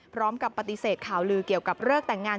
พร้อมกับปฏิเสธข่าวลือเกี่ยวกับเลิกแต่งงาน